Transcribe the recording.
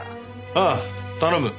ああ頼む。